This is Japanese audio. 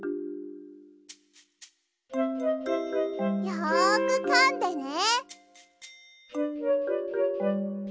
よくかんでね。